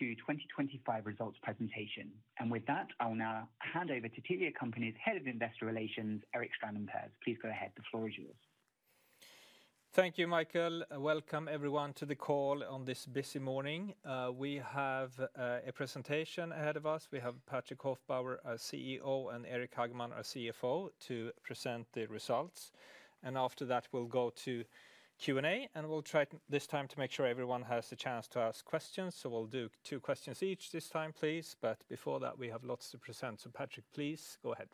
To 2025 results presentation. With that, I'll now hand over to Telia Company's Head of Investor Relations, Eric Stranden, Per-Arne. Please go ahead. The floor is yours. Thank you, Michael. Welcome everyone to the call on this busy morning. We have a presentation ahead of us. We have Patrik Hofbauer, our CEO, and Eric Hageman, our CFO, to present the results. After that, we'll go to Q&A, and we'll try this time to make sure everyone has a chance to ask questions. So we'll do two questions each this time, please. But before that, we have lots to present. So Patrik, please go ahead.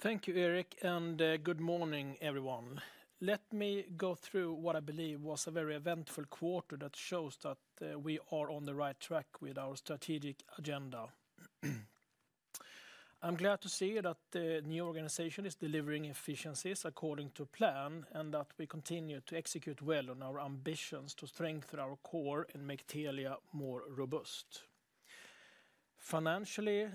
Thank you, Eric, and good morning, everyone. Let me go through what I believe was a very eventful quarter that shows that we are on the right track with our strategic agenda. I'm glad to see that the new organization is delivering efficiencies according to plan and that we continue to execute well on our ambitions to strengthen our core and make Telia more robust. Financially,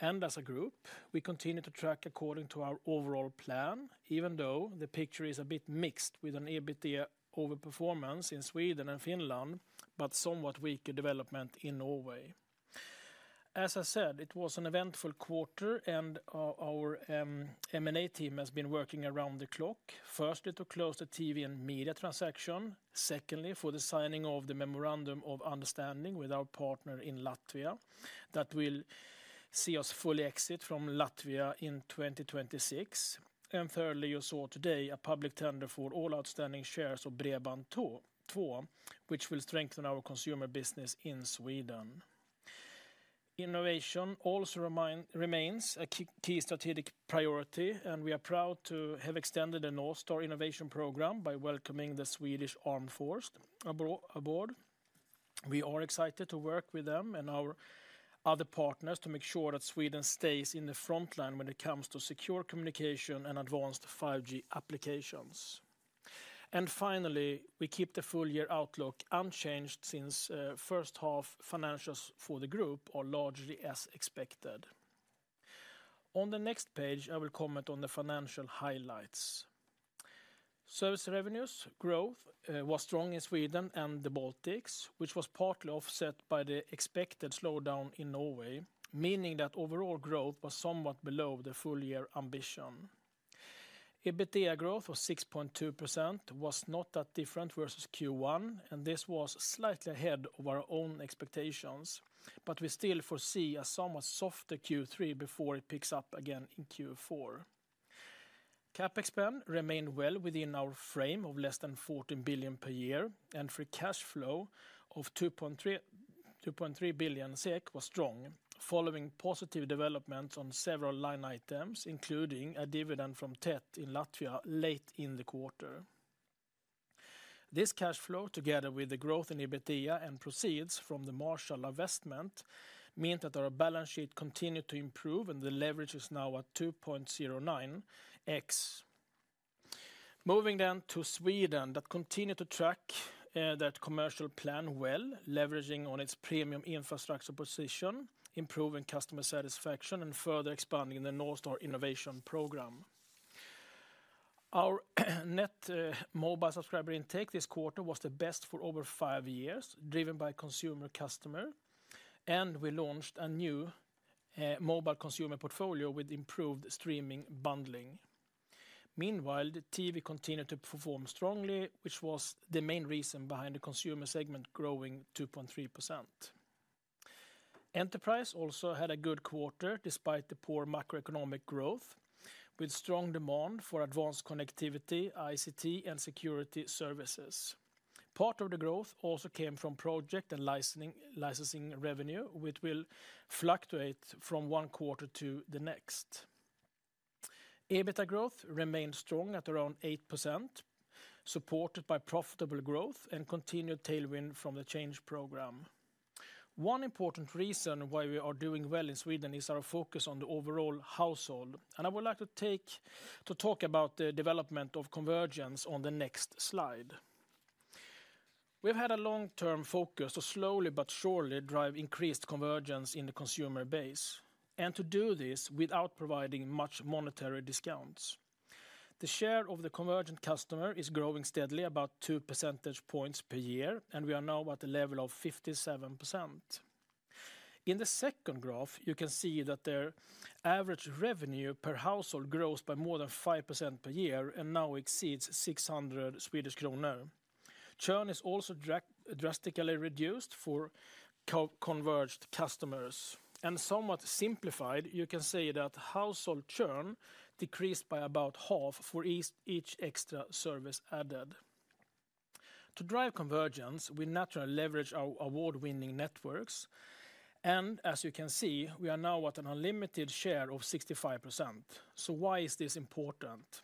and as a group, we continue to track according to our overall plan, even though the picture is a bit mixed with an EBITDA overperformance in Sweden and Finland, but somewhat weaker development in Norway. As I said, it was an eventful quarter, and our M&A team has been working around the clock. Firstly, to close the TV and media transaction. Secondly, for the signing of the memorandum of understanding with our partner in Latvia that will see us fully exit from Latvia in 2026. Thirdly, you saw today a public tender for all outstanding shares of Bredband2, which will strengthen our consumer business in Sweden. Innovation also remains a key strategic priority, and we are proud to have extended the North Star Innovation Program by welcoming the Swedish Armed Forces aboard. We are excited to work with them and our other partners to make sure that Sweden stays in the front line when it comes to secure communication and advanced 5G applications. Finally, we keep the full year outlook unchanged since the first half financials for the group are largely as expected. On the next page, I will comment on the financial highlights. Service revenues growth was strong in Sweden and the Baltics, which was partly offset by the expected slowdown in Norway, meaning that overall growth was somewhat below the full year ambition. EBITDA growth of 6.2% was not that different versus Q1, and this was slightly ahead of our own expectations, but we still foresee a somewhat softer Q3 before it picks up again in Q4. CapEx spend remained well within our frame of less than 14 billion per year, and free cash flow of 2.3 billion SEK was strong, following positive developments on several line items, including a dividend from TET in Latvia late in the quarter. This cash flow, together with the growth in EBITDA and proceeds from the marginal investment, meant that our balance sheet continued to improve, and the leverage is now at 2.09x. Moving then to Sweden that continued to track that commercial plan well, leveraging on its premium infrastructure position, improving customer satisfaction, and further expanding the North Star Innovation Program. Our net mobile subscriber intake this quarter was the best for over five years, driven by consumer customer, and we launched a new mobile consumer portfolio with improved streaming bundling. Meanwhile, the TV continued to perform strongly, which was the main reason behind the consumer segment growing 2.3%. Enterprise also had a good quarter despite the poor macroeconomic growth, with strong demand for advanced connectivity, ICT, and security services. Part of the growth also came from project and licensing revenue, which will fluctuate from one quarter to the next. EBITDA growth remained strong at around 8%, supported by profitable growth and continued tailwind from the change program. One important reason why we are doing well in Sweden is our focus on the overall household, and I would like to talk about the development of convergence on the next slide. We've had a long-term focus to slowly but surely drive increased convergence in the consumer base, and to do this without providing much monetary discounts. The share of the convergent customer is growing steadily, about two percentage points per year, and we are now at a level of 57%. In the second graph, you can see that their average revenue per household grows by more than 5% per year and now exceeds 600 Swedish kronor. Churn is also drastically reduced for converged customers. And somewhat simplified, you can say that household churn decreased by about half for each extra service added. To drive convergence, we naturally leverage our award-winning networks, and as you can see, we are now at an unlimited share of 65%. Why is this important?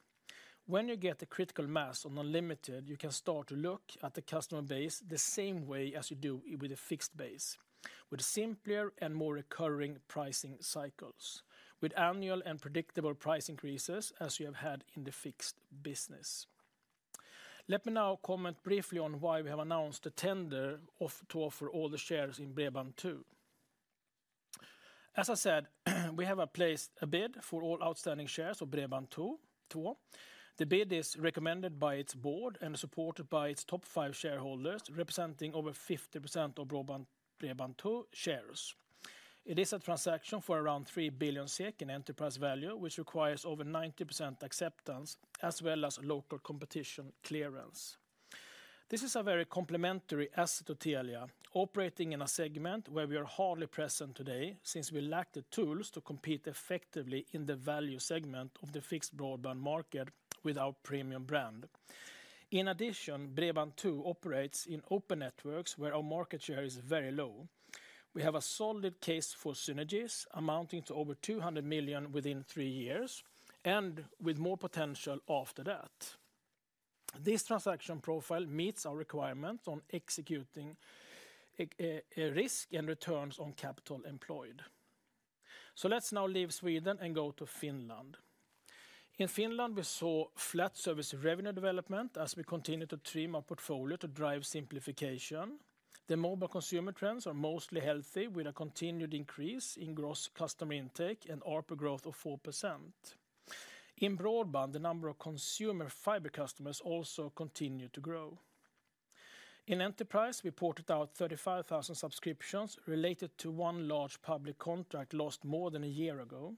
When you get a critical mass on unlimited, you can start to look at the customer base the same way as you do with a fixed base, with simpler and more recurring pricing cycles, with annual and predictable price increases as you have had in the fixed business. Let me now comment briefly on why we have announced a tender to offer all the shares in Bredband2. As I said, we have placed a bid for all outstanding shares of Bredband2. The bid is recommended by its board and supported by its top five shareholders, representing over 50% of Bredband2 shares. It is a transaction for around 3 billion SEK in enterprise value, which requires over 90% acceptance as well as local competition clearance. This is a very complementary asset to Telia, operating in a segment where we are hardly present today since we lack the tools to compete effectively in the value segment of the fixed broadband market with our premium brand. In addition, Bredband2 operates in open networks where our market share is very low. We have a solid case for synergies amounting to over 200 million within three years and with more potential after that. This transaction profile meets our requirements on executing risk and returns on capital employed. Let's now leave Sweden and go to Finland. In Finland, we saw flat service revenue development as we continue to trim our portfolio to drive simplification. The mobile consumer trends are mostly healthy, with a continued increase in gross customer intake and ARPU growth of 4%. In broadband, the number of consumer fiber customers also continued to grow. In enterprise, we ported out 35,000 subscriptions related to one large public contract lost more than a year ago,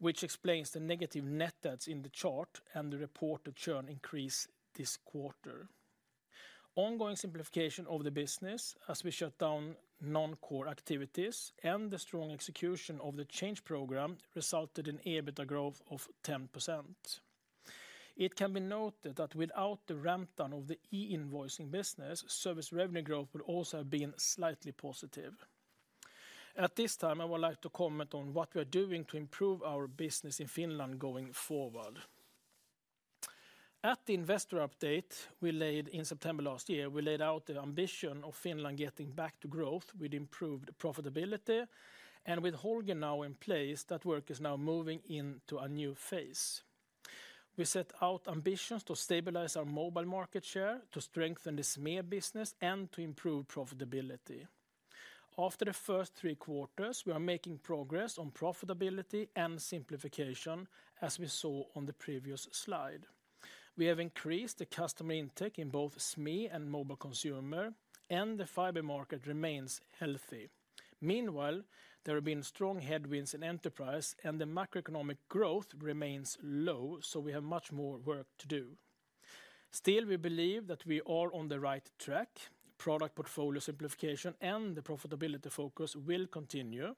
which explains the negative net adds in the chart and the reported churn increase this quarter. Ongoing simplification of the business as we shut down non-core activities and the strong execution of the change program resulted in EBITDA growth of 10%. It can be noted that without the ramp-down of the e-invoicing business, service revenue growth would also have been slightly positive. At this time, I would like to comment on what we are doing to improve our business in Finland going forward. At the investor update we laid out in September last year, we laid out the ambition of Finland getting back to growth with improved profitability and with Holger now in place that work is now moving into a new phase. We set out ambitions to stabilize our mobile market share, to strengthen the SME business, and to improve profitability. After the first three quarters, we are making progress on profitability and simplification as we saw on the previous slide. We have increased the customer intake in both SME and mobile consumer, and the fiber market remains healthy. Meanwhile, there have been strong headwinds in enterprise, and the macroeconomic growth remains low, so we have much more work to do. Still, we believe that we are on the right track. Product portfolio simplification and the profitability focus will continue.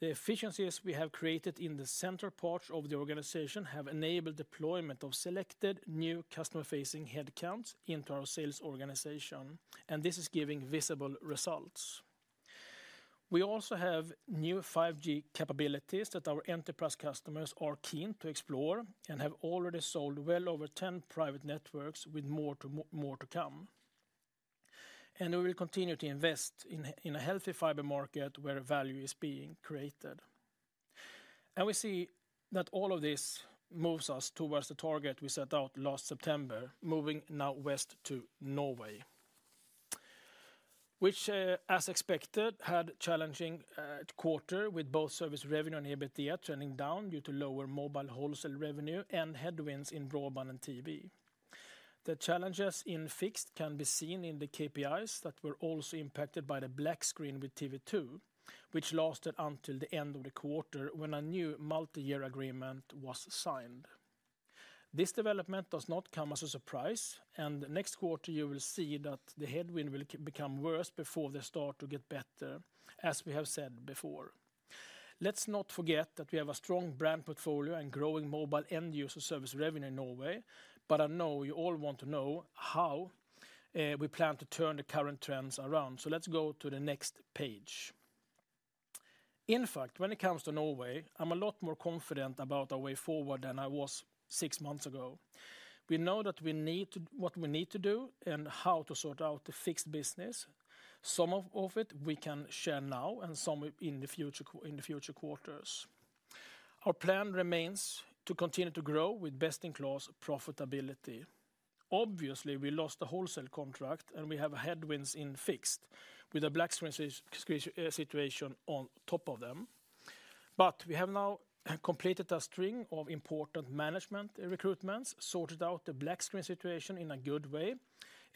The efficiencies we have created in the central parts of the organization have enabled deployment of selected new customer-facing headcounts into our sales organization, and this is giving visible results. We also have new 5G capabilities that our enterprise customers are keen to explore and have already sold well over 10 private networks with more to come. We will continue to invest in a healthy fiber market where value is being created. We see that all of this moves us towards the target we set out last September, moving now west to Norway. Which, as expected, had a challenging quarter with both service revenue and EBITDA trending down due to lower mobile wholesale revenue and headwinds in broadband and TV. The challenges in fixed can be seen in the KPIs that were also impacted by the black screen with TV2, which lasted until the end of the quarter when a new multi-year agreement was signed. This development does not come as a surprise, and next quarter you will see that the headwind will become worse before they start to get better, as we have said before. Let's not forget that we have a strong brand portfolio and growing mobile end-user service revenue in Norway, but I know you all want to know how we plan to turn the current trends around. So let's go to the next page. In fact, when it comes to Norway, I'm a lot more confident about our way forward than I was six months ago. We know that we need to what we need to do and how to sort out the fixed business. Some of it we can share now and some in the future quarters. Our plan remains to continue to grow with best-in-class profitability. Obviously, we lost the wholesale contract and we have headwinds in fixed with a black screen situation on top of them. But we have now completed a string of important management recruitments, sorted out the black screen situation in a good way,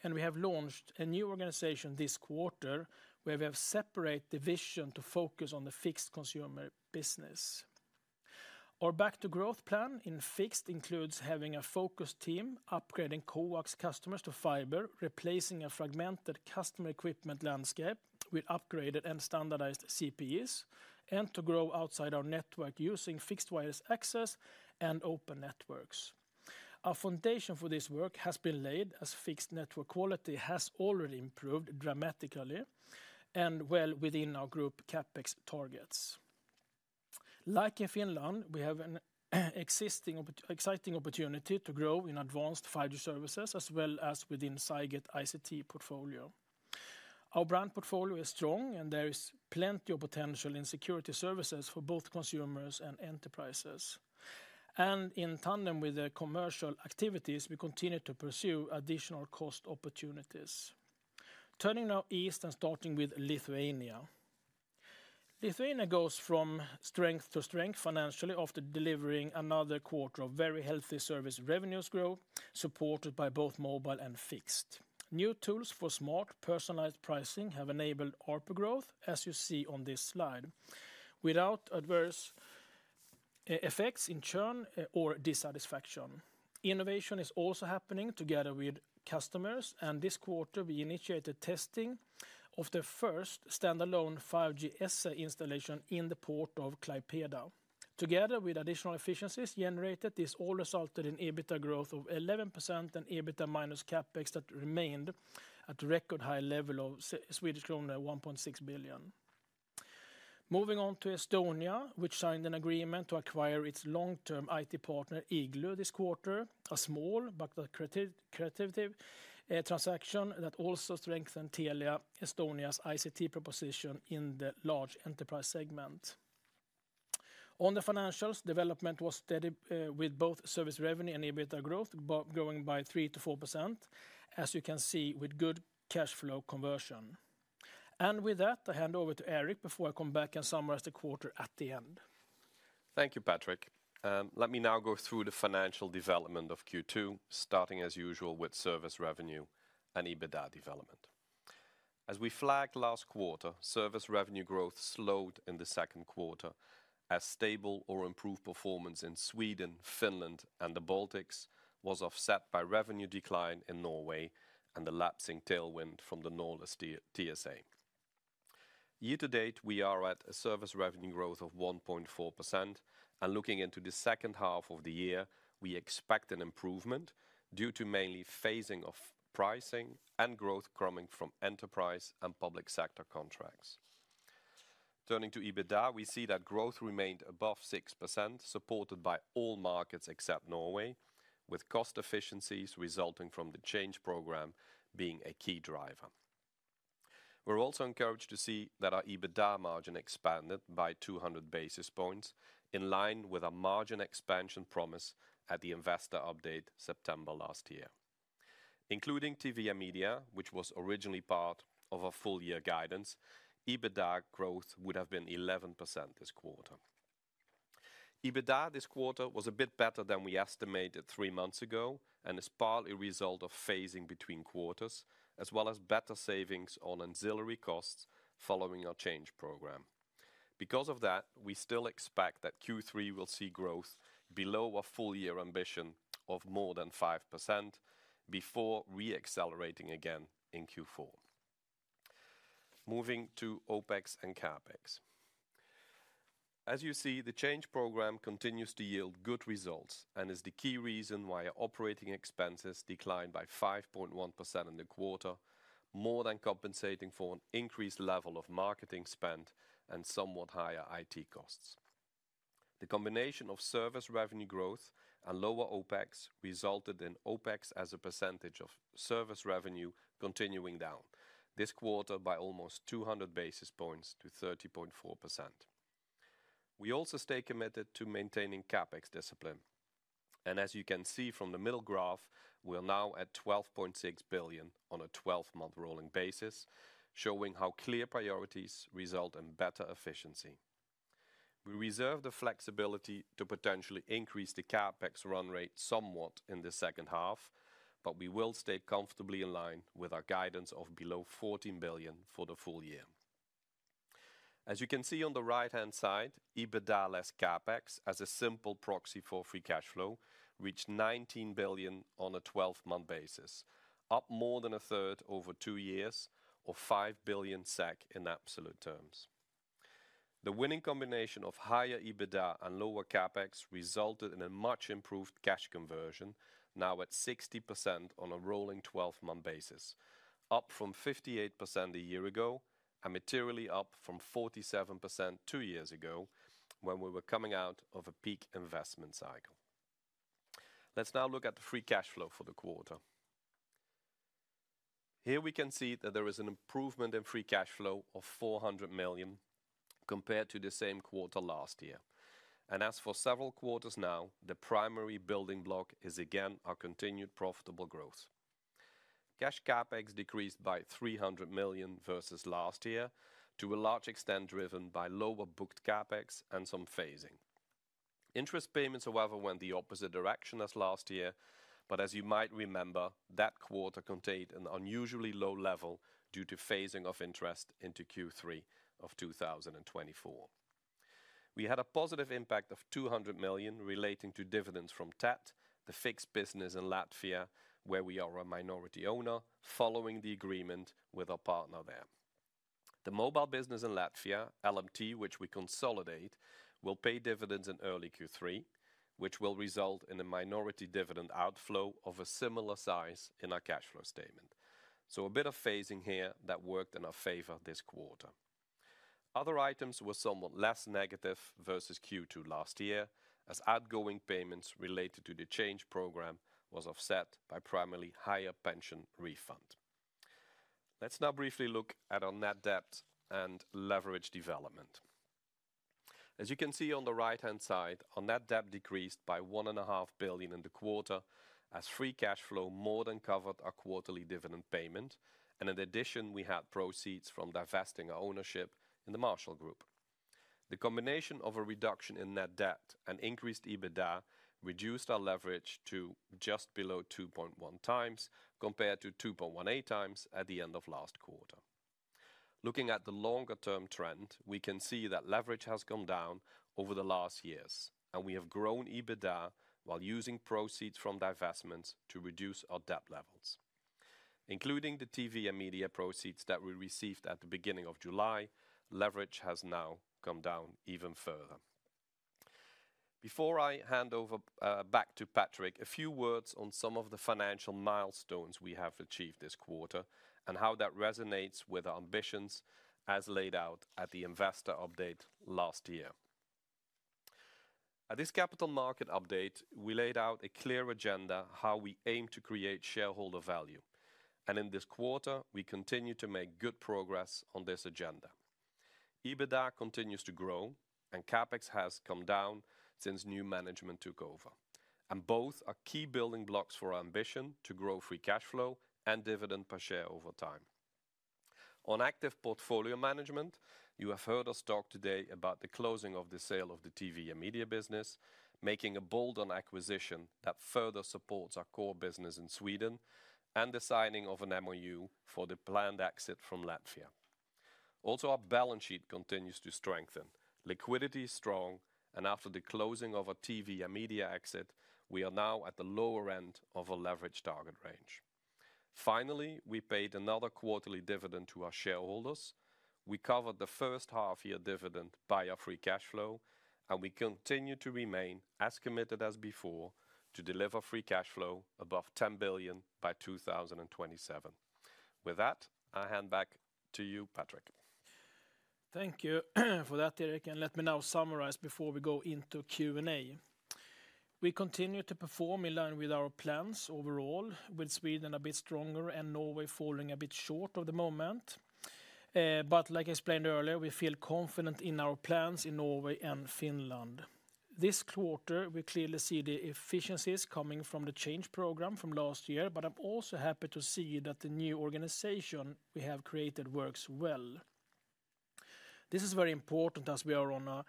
and we have launched a new organization this quarter where we have separated the vision to focus on the fixed consumer business. Our back-to-growth plan in fixed includes having a focused team upgrading coax customers to fiber, replacing a fragmented customer equipment landscape with upgraded and standardized CPEs, and to grow outside our network using fixed wireless access and open networks. Our foundation for this work has been laid as fixed network quality has already improved dramatically and well within our group CapEx targets. Like in Finland, we have an exciting opportunity to grow in advanced fiber services as well as within 5G and ICT portfolio. Our brand portfolio is strong and there is plenty of potential in security services for both consumers and enterprises. In tandem with the commercial activities, we continue to pursue additional cost opportunities. Turning now east and starting with Lithuania. Lithuania goes from strength to strength financially after delivering another quarter of very healthy service revenues growth supported by both mobile and fixed. New tools for smart personalized pricing have enabled ARPU growth, as you see on this slide, without adverse effects in churn or dissatisfaction. Innovation is also happening together with customers, and this quarter we initiated testing of the first standalone 5G SA installation in the port of Klaipėda. Together with additional efficiencies generated, this all resulted in EBITDA growth of 11% and EBITDA minus CapEx that remained at a record high level of Swedish krona 1.6 billion. Moving on to Estonia, which signed an agreement to acquire its long-term IT partner Iglu this quarter, a small but creative transaction that also strengthened Telia Estonia's ICT proposition in the large enterprise segment. On the financials, development was steady with both service revenue and EBITDA growth growing by 3%-4%, as you can see with good cash flow conversion. With that, I hand over to Eric before I come back and summarize the quarter at the end. Thank you, Patrik. Let me now go through the financial development of Q2, starting as usual with service revenue and EBITDA development. As we flagged last quarter, service revenue growth slowed in the second quarter as stable or improved performance in Sweden, Finland, and the Baltics was offset by revenue decline in Norway and the lapsing tailwind from the Nordland TSA. Year to date, we are at a service revenue growth of 1.4%, and looking into the second half of the year, we expect an improvement due to mainly phasing of pricing and growth coming from enterprise and public sector contracts. Turning to EBITDA, we see that growth remained above 6%, supported by all markets except Norway, with cost efficiencies resulting from the change program being a key driver. We're also encouraged to see that our EBITDA margin expanded by 200 basis points in line with our margin expansion promise at the investor update September last year. Including TV and media, which was originally part of our full-year guidance, EBITDA growth would have been 11% this quarter. EBITDA this quarter was a bit better than we estimated three months ago and is partly a result of phasing between quarters, as well as better savings on auxiliary costs following our change program. Because of that, we still expect that Q3 will see growth below our full-year ambition of more than 5% before re-accelerating again in Q4. Moving to OpEx and CapEx. As you see, the change program continues to yield good results and is the key reason why our operating expenses declined by 5.1% in the quarter, more than compensating for an increased level of marketing spent and somewhat higher IT costs. The combination of service revenue growth and lower OpEx resulted in OpEx as a percentage of service revenue continuing down this quarter by almost 200 basis points to 30.4%. We also stay committed to maintaining CapEx discipline. As you can see from the middle graph, we're now at 12.6 billion on a 12-month rolling basis, showing how clear priorities result in better efficiency. We reserve the flexibility to potentially increase the CapEx run rate somewhat in the second half, but we will stay comfortably in line with our guidance of below 14 billion for the full year. As you can see on the right-hand side, EBITDA less CapEx as a simple proxy for free cash flow reached 19 billion on a 12-month basis, up more than a third over two years of 5 billion SEK in absolute terms. The winning combination of higher EBITDA and lower CapEx resulted in a much improved cash conversion, now at 60% on a rolling 12-month basis, up from 58% a year ago and materially up from 47% two years ago when we were coming out of a peak investment cycle. Let's now look at the free cash flow for the quarter. Here we can see that there is an improvement in free cash flow of 400 million compared to the same quarter last year. As for several quarters now, the primary building block is again our continued profitable growth. Cash CapEx decreased by 300 million versus last year, to a large extent driven by lower booked CapEx and some phasing. Interest payments, however, went the opposite direction as last year, but as you might remember, that quarter contained an unusually low level due to phasing of interest into Q3 of 2024. We had a positive impact of 200 million relating to dividends from TET, the fixed business in Latvia, where we are a minority owner following the agreement with our partner there. The mobile business in Latvia, LMT, which we consolidate, will pay dividends in early Q3, which will result in a minority dividend outflow of a similar size in our cash flow statement. So a bit of phasing here that worked in our favor this quarter. Other items were somewhat less negative versus Q2 last year, as outgoing payments related to the change program were offset by primarily higher pension refund. Let's now briefly look at our net debt and leverage development. As you can see on the right-hand side, our net debt decreased by 1.5 billion in the quarter as free cash flow more than covered our quarterly dividend payment. In addition, we had proceeds from divesting our ownership in the Marshall Group. The combination of a reduction in net debt and increased EBITDA reduced our leverage to just below 2.1x compared to 2.18x at the end of last quarter. Looking at the longer-term trend, we can see that leverage has gone down over the last years, and we have grown EBITDA while using proceeds from divestments to reduce our debt levels. Including the TV and media proceeds that we received at the beginning of July, leverage has now gone down even further. Before I hand over back to Patrik, a few words on some of the financial milestones we have achieved this quarter and how that resonates with our ambitions as laid out at the investor update last year. At this capital market update, we laid out a clear agenda how we aim to create shareholder value. In this quarter, we continue to make good progress on this agenda. EBITDA continues to grow, and CapEx has come down since new management took over. Both are key building blocks for our ambition to grow free cash flow and dividend per share over time. On active portfolio management, you have heard us talk today about the closing of the sale of the TV and media business, making a bold acquisition that further supports our core business in Sweden, and the signing of an MOU for the planned exit from Latvia. Also, our balance sheet continues to strengthen, liquidity is strong, and after the closing of our TV and media exit, we are now at the lower end of our leverage target range. Finally, we paid another quarterly dividend to our shareholders. We covered the first half-year dividend by our free cash flow, and we continue to remain as committed as before to deliver free cash flow above 10 billion by 2027. With that, I hand back to you, Patrik. Thank you for that, Eric. Let me now summarize before we go into Q&A. We continue to perform in line with our plans overall, with Sweden a bit stronger and Norway falling a bit short of the moment. Like I explained earlier, we feel confident in our plans in Norway and Finland. This quarter, we clearly see the efficiencies coming from the change program from last year, but I'm also happy to see that the new organization we have created works well. This is very important as we are on a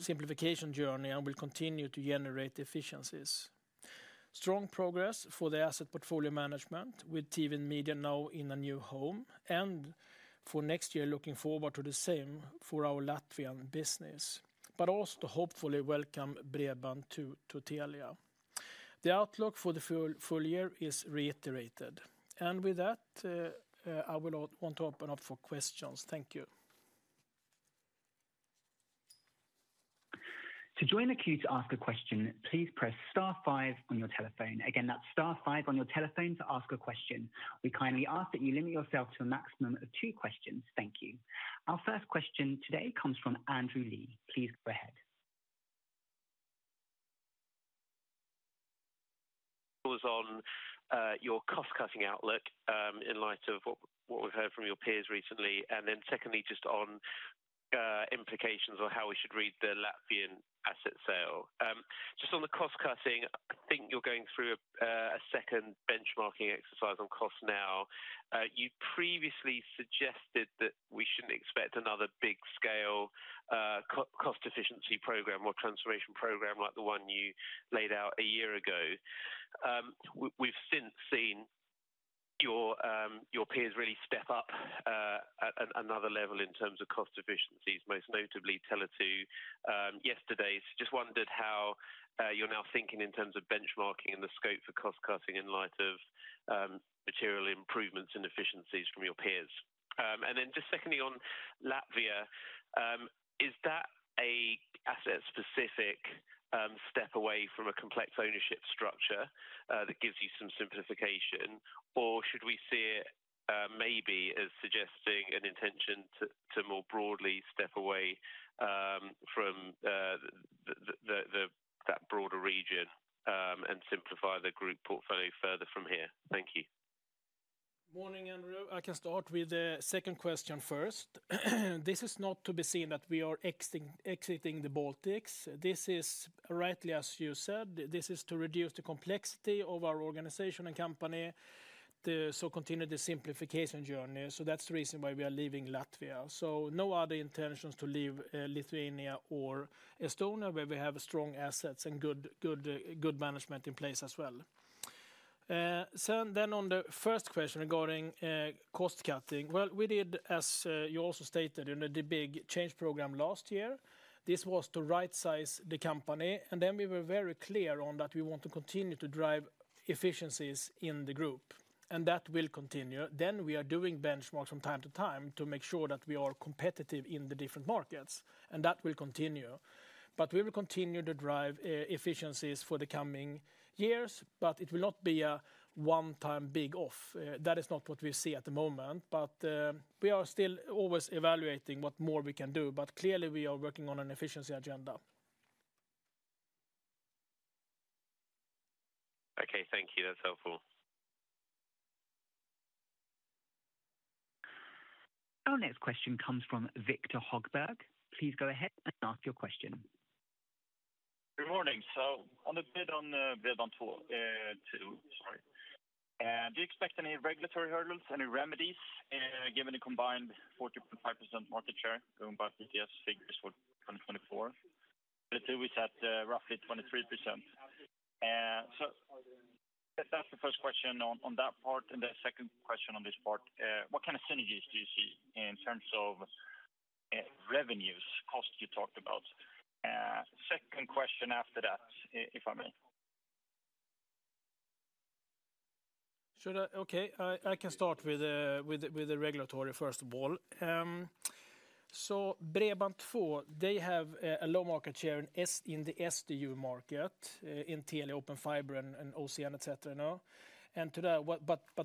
simplification journey and will continue to generate efficiencies. Strong progress for the asset portfolio management with TV and media now in a new home, and for next year, looking forward to the same for our Latvian business, but also to hopefully welcome Bredband2 to Telia. The outlook for the full year is reiterated. With that, I will want to open up for questions. Thank you. To join the queue to ask a question, please press star five on your telephone. Again, that's star five on your telephone to ask a question. We kindly ask that you limit yourself to a maximum of two questions. Thank you. Our first question today comes from Andrew Lee. Please go ahead. Was on your cost-cutting outlook in light of what we've heard from your peers recently. Then secondly, just on implications or how we should read the Latvian asset sale. Just on the cost-cutting, I think you're going through a second benchmarking exercise on cost now. You previously suggested that we shouldn't expect another big-scale cost-efficiency program or transformation program like the one you laid out a year ago. We've since seen your peers really step up at another level in terms of cost efficiencies, most notably Telia yesterday, just wondered how you're now thinking in terms of benchmarking and the scope for cost-cutting in light of material improvements and efficiencies from your peers. Then just secondly on Latvia. Is that an asset-specific step away from a complex ownership structure that gives you some simplification, or should we see it maybe as suggesting an intention to more broadly step away from that broader region and simplify the group portfolio further from here? Thank you. Morning, Andrew. I can start with the second question first. This is not to be seen that we are exiting the Baltics. This is rightly, as you said, this is to reduce the complexity of our organization and company to continue the simplification journey. That's the reason why we are leaving Latvia. No other intentions to leave Lithuania or Estonia, where we have strong assets and good management in place as well. Then on the first question regarding cost-cutting, well, we did, as you also stated, under the big change program last year. This was to right-size the company. Then we were very clear on that we want to continue to drive efficiencies in the group. That will continue. We are doing benchmarks from time to time to make sure that we are competitive in the different markets. And that will continue. We will continue to drive efficiencies for the coming years. It will not be a one-time big off. That is not what we see at the moment. We are still always evaluating what more we can do. Clearly, we are working on an efficiency agenda. Okay, thank you. That's helpful. Our next question comes from Viktor Högberg. Please go ahead and ask your question. Good morning. On the bid on Bredband4 Bredband2, sorry. Do you expect any regulatory hurdles, any remedies, given the combined 40.5% market share going by ETS figures for 2024? At the time, we said roughly 23%. That's the first question on that part. The second question on this part, what kind of synergies do you see in terms of revenues, costs you talked about? Second question after that, if I may. Okay, I can start with the regulatory first of all. Bredband2, they have a low market share in the SDU market in Telia, Open Fiber, and OCN, etc. And today,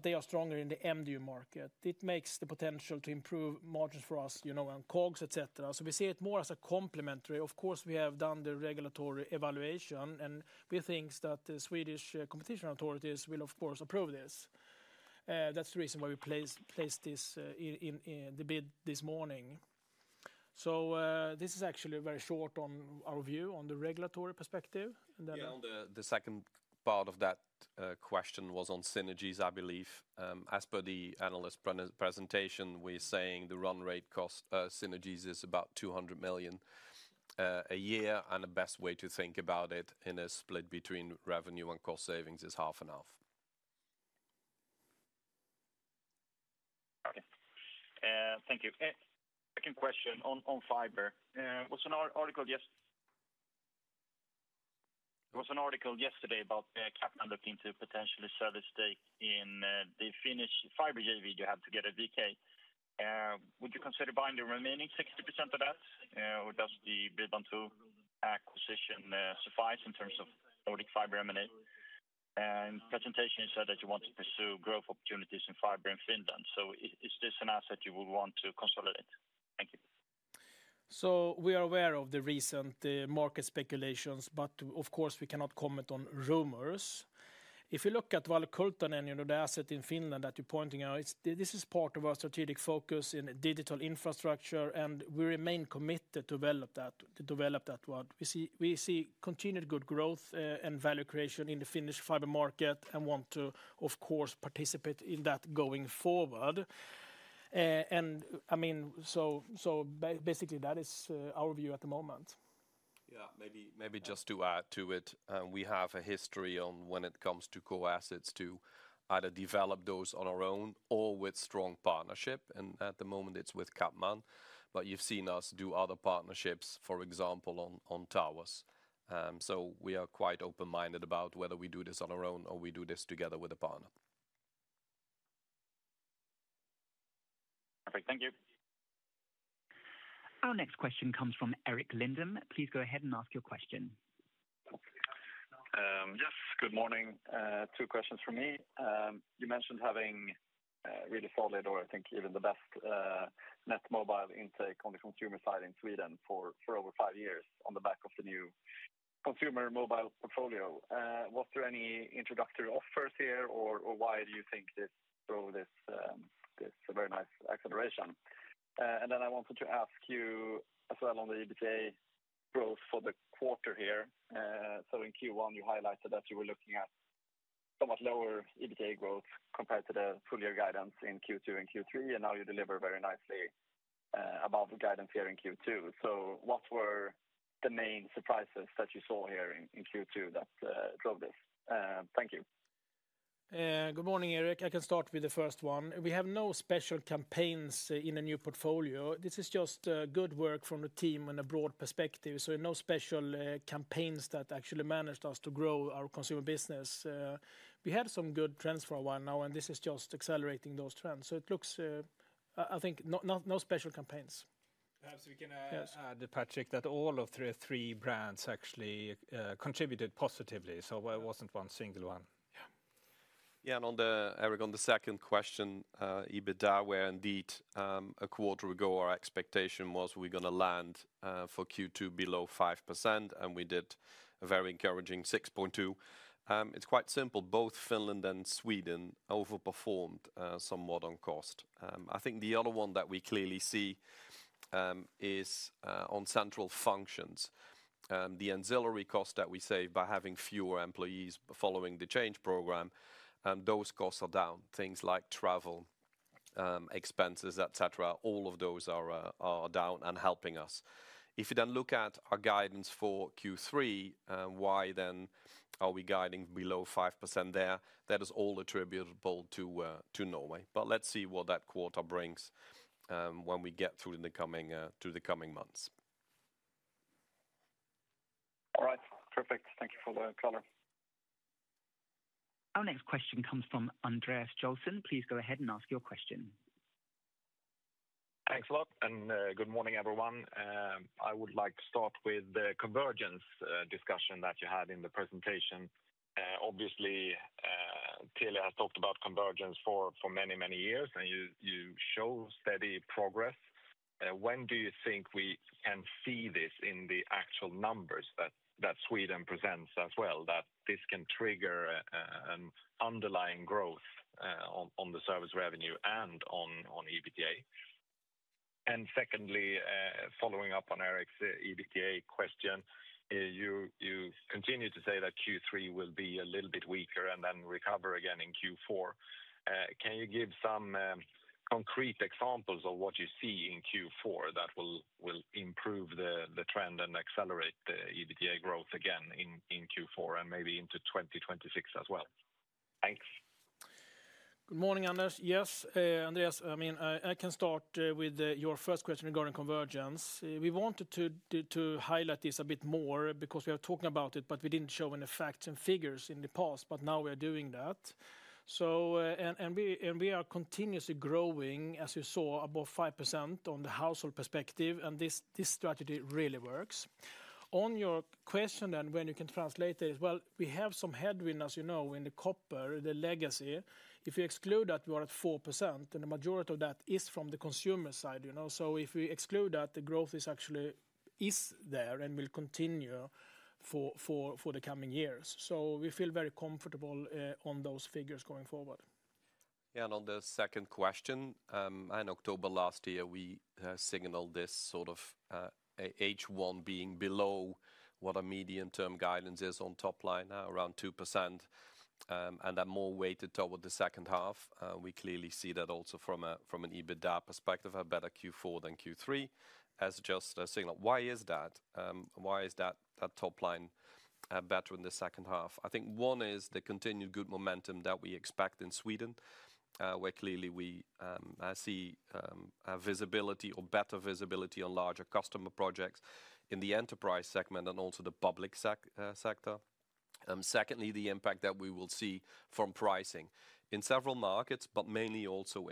they are stronger in the MDU market. It makes the potential to improve margins for us, you know, and COGS, etc. We see it more as a complementary. Of course, we have done the regulatory evaluation, and we think that the Swedish competition authorities will, of course, approve this. That's the reason why we placed this bid this morning. This is actually very short on our view on the regulatory perspective. The second part of that question was on synergies, I believe. As per the analyst presentation, we're saying the run rate cost synergies is about 200 million a year. The best way to think about it in a split between revenue and cost savings is half and half. Okay. Thank you. Second question on fiber. It was an article yesterday about Capton looking to potentially service stake in the Finnish fiber JV you have together, VK. Would you consider buying the remaining 60% of that, or does the Bredband2 acquisition suffice in terms of Nordic fiber M&A? And presentation said that you want to pursue growth opportunities in fiber in Finland. Is this an asset you would want to consolidate? Thank you. We are aware of the recent market speculations, but of course, we cannot comment on rumors. If you look at Valokuitunen, the asset in Finland that you're pointing out, this is part of our strategic focus in digital infrastructure, and we remain committed to develop that. We see continued good growth and value creation in the Finnish fiber market and want to, of course, participate in that going forward. I mean, so basically, that is our view at the moment. Yeah, maybe just to add to it, we have a history on when it comes to core assets to either develop those on our own or with strong partnership. At the moment, it's with Kapman. You have seen us do other partnerships, for example, on towers. We are quite open-minded about whether we do this on our own or we do this together with a partner. Perfect. Thank you. Our next question comes from Eric Linden. Please go ahead and ask your question. Yes, good morning. Two questions for me. You mentioned having really solid, or I think even the best, net mobile intake on the consumer side in Sweden for over five years on the back of the new consumer mobile portfolio. Was there any introductory offers here, or why do you think this is a very nice acceleration? I wanted to ask you as well on the EBITDA growth for the quarter here. In Q1, you highlighted that you were looking at somewhat lower EBITDA growth compared to the full-year guidance in Q2 and Q3, and now you deliver very nicely above the guidance here in Q2. What were the main surprises that you saw here in Q2 that drove this? Thank you. Good morning, Eric. I can start with the first one. We have no special campaigns in the new portfolio. This is just good work from the team on a broad perspective. No special campaigns that actually managed us to grow our consumer business. We have some good trends for a while now, and this is just accelerating those trends. It looks, I think, no special campaigns. Perhaps we can add, Patrik, that all of the three brands actually contributed positively. It was not one single one. Yeah. On the second question, EBITDA, where indeed a quarter ago, our expectation was we were going to land for Q2 below 5%, and we did a very encouraging 6.2%. It's quite simple. Both Finland and Sweden overperformed somewhat on cost. I think the other one that we clearly see is on central functions. The ancillary costs that we save by having fewer employees following the change program, those costs are down. Things like travel expenses, etc., all of those are down and helping us. If you then look at our guidance for Q3, why then are we guiding below 5% there? That is all attributable to Norway. Let's see what that quarter brings when we get through to the coming months. All right. Terrific. Thank you for the color. Our next question comes from Andreas Joelsson. Please go ahead and ask your question. Thanks a lot. Good morning, everyone. I would like to start with the convergence discussion that you had in the presentation. Obviously, Telia has talked about convergence for many, many years, and you show steady progress. When do you think we can see this in the actual numbers that Sweden presents as well, that this can trigger an underlying growth on the service revenue and on EBITDA? And secondly, following up on Eric's EBITDA question, you continue to say that Q3 will be a little bit weaker and then recover again in Q4. Can you give some concrete examples of what you see in Q4 that will improve the trend and accelerate the EBITDA growth again in Q4 and maybe into 2026 as well? Thanks. Good morning, Anders. Yes, Andreas, I mean, I can start with your first question regarding convergence. We wanted to highlight this a bit more because we are talking about it, but we didn't show any facts and figures in the past, but now we are doing that. We are continuously growing, as you saw, above 5% on the household perspective, and this strategy really works. On your question then, when you can translate it, well, we have some headwinds, as you know, in the copper, the legacy. If you exclude that, we are at 4%, and the majority of that is from the consumer side. So if we exclude that, the growth is actually there and will continue for the coming years. So we feel very comfortable on those figures going forward. Yeah, and on the second question, in October last year, we signaled this sort of H1 being below what a median term guidance is on top line now, around 2%. That more weighted toward the second half. We clearly see that also from an EBITDA perspective, a better Q4 than Q3, as just a signal. Why is that? Why is that top line better in the second half? I think one is the continued good momentum that we expect in Sweden, where clearly we see visibility or better visibility on larger customer projects in the enterprise segment and also the public sector. Secondly, the impact that we will see from pricing in several markets, but mainly also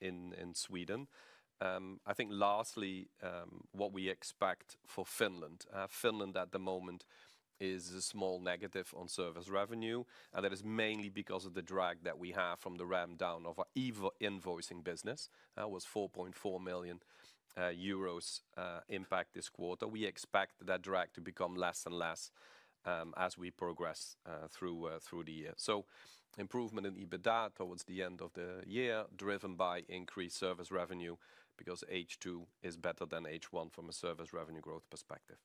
in Sweden. I think lastly, what we expect for Finland. Finland at the moment is a small negative on service revenue, and that is mainly because of the drag that we have from the ramp down of our invoicing business. That was 4.4 million euros impact this quarter. We expect that drag to become less and less as we progress through the year. So improvement in EBITDA towards the end of the year, driven by increased service revenue because H2 is better than H1 from a service revenue growth perspective.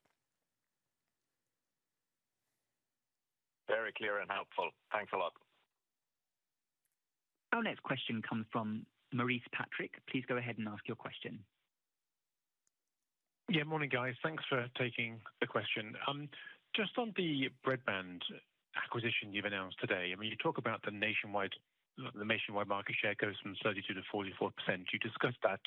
Very clear and helpful. Thanks a lot. Our next question comes from Maurice Patrick. Please go ahead and ask your question. Yeah, morning, guys. Thanks for taking the question. Just on the Bredband2 acquisition you've announced today, I mean, you talk about the nationwide market share goes from 32% to 44%. You discussed that.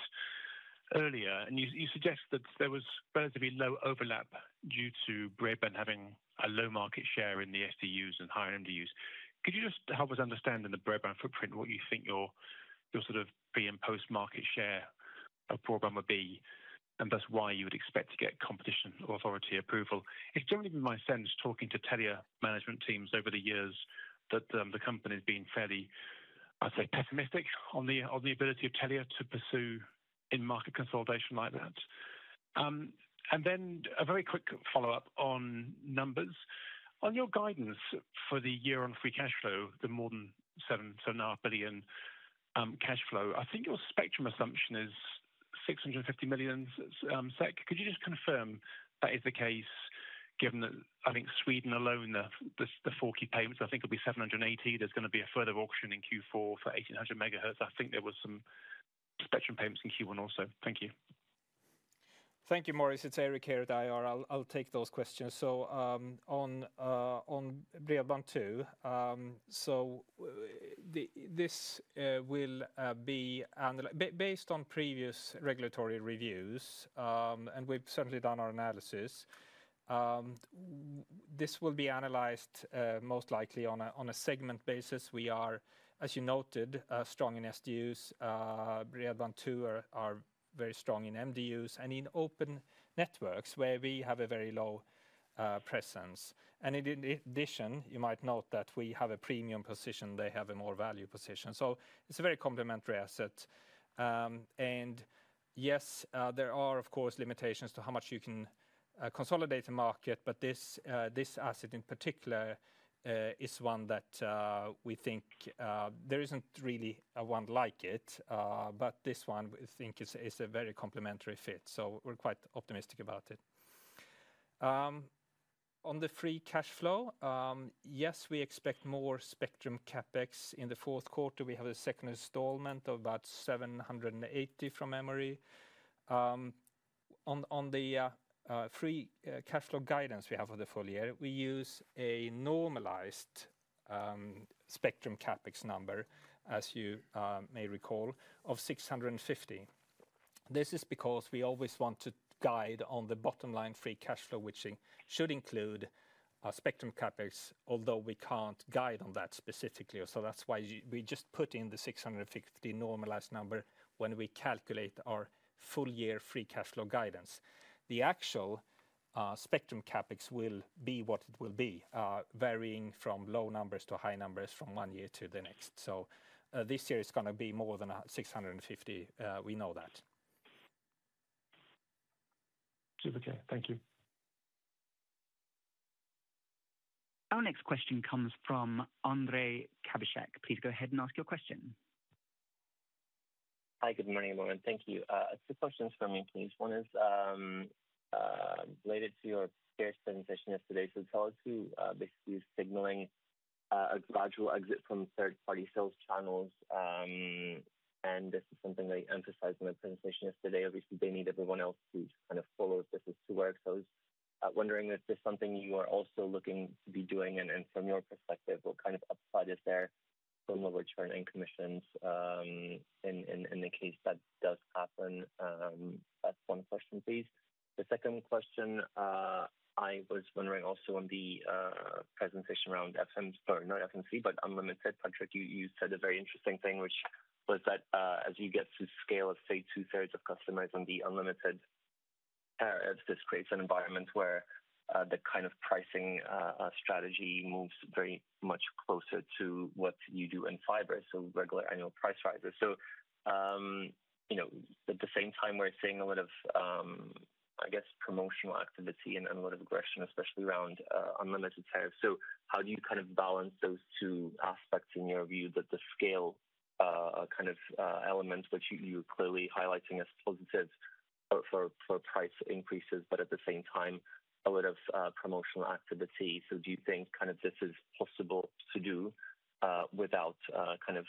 Earlier, and you suggest that there was relatively low overlap due to Bredband2 having a low market share in the SDUs and higher MDUs. Could you just help us understand in the Bredband2 footprint what you think your sort of pre- and post-market share of program would be, and that's why you would expect to get competition or authority approval? It's generally been my sense talking to Telia management teams over the years that the company has been fairly, I'd say, pessimistic on the ability of Telia to pursue in-market consolidation like that. A very quick follow-up on numbers. On your guidance for the year on free cash flow, the more than 7.75 billion. Cash flow, I think your spectrum assumption is 650 million SEK. Could you just confirm that is the case given that I think Sweden alone, the four key payments, I think it'll be 780 million. There's going to be a further auction in Q4 for 1800 MHz. I think there were some spectrum payments in Q1 also. Thank you. Thank you, Maurice. It's Eric here at IR. I'll take those questions. On Bredband2. This will be based on previous regulatory reviews, and we've certainly done our analysis. This will be analyzed most likely on a segment basis. We are, as you noted, strong in SDUs. Bredband2 are very strong in MDUs and in open networks where we have a very low presence. In addition, you might note that we have a premium position. They have a more value position. It's a very complementary asset. Yes, there are, of course, limitations to how much you can consolidate a market, but this asset in particular is one that we think there isn't really one like it, but this one, we think, is a very complementary fit. We're quite optimistic about it. On the free cash flow, yes, we expect more spectrum CapEx in the fourth quarter. We have a second installment of about 780 million from memory. On the free cash flow guidance we have for the full year, we use a normalized spectrum CapEx number, as you may recall, of 650 million. This is because we always want to guide on the bottom line free cash flow, which should include spectrum CapEx, although we can't guide on that specifically. That's why we just put in the 650 million normalized number when we calculate our full year free cash flow guidance. The actual spectrum CapEx will be what it will be, varying from low numbers to high numbers from one year to the next. This year is going to be more than 650 million. We know that. Super. Okay. Thank you. Our next question comes from Andrei Yazepchyk. Please go ahead and ask your question. Hi. Good morning, Morland. Thank you. Two questions for me, please. One is related to your SCARS presentation yesterday. Tell us who basically is signaling a gradual exit from third-party sales channels. This is something they emphasized in their presentation yesterday. Obviously, they need everyone else to kind of follow this to work. I was wondering if there's something you are also looking to be doing, and from your perspective, what kind of upside is there from overturning commissions. In the case that does happen? That's one question, please. The second question. I was wondering also on the presentation around FMC, sorry, not FMC, but unlimited. Patrik, you said a very interesting thing, which was that as you get to scale of, say, two-thirds of customers on the unlimited tariffs, this creates an environment where the kind of pricing strategy moves very much closer to what you do in fiber, so regular annual price rises. At the same time, we're seeing a lot of I guess, promotional activity and a lot of aggression, especially around unlimited tariffs. How do you kind of balance those two aspects in your view, that the scale kind of element, which you're clearly highlighting as positive for price increases, but at the same time, a lot of promotional activity? Do you think kind of this is possible to do without kind of